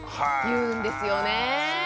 言うんですよねえ。